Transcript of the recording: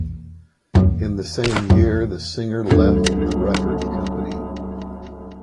In the same year the singer left the record company.